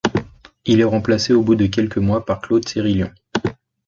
Il est remplacé au bout de quelques mois par Claude Sérillon.